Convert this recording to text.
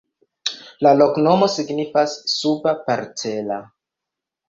La loknomo signifas: suba-parcela.